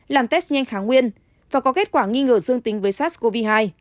làm test nhanh kháng nguyên và có kết quả nghi ngờ dương tính với sars cov hai